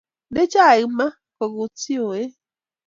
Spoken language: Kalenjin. Inde chaik maat kokuut si o ee